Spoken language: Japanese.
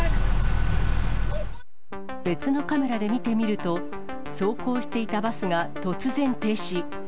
別のカメラで見てみると、走行していたバスが突然停止。